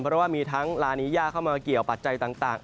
เพราะว่ามีทั้งลานีย่าเข้ามาเกี่ยวปัจจัยต่าง